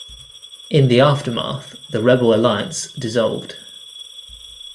In the aftermath, the rebel alliance dissolved.